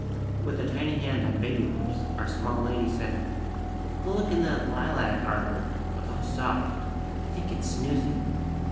With a tiny hand on baby lips, our small lady said: "Go look in that lilac arbor; but go soft! I think it's snoozing."